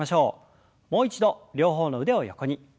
もう一度両方の腕を横に。